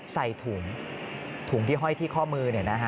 ใส่ถุงถุงที่ห้อยที่ข้อมือ